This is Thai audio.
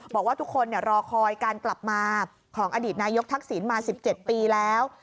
บอกว่าทุกคนรอคอยการกลับมาของอดีตนายกทักษิณมา๑๗ปีแล้ว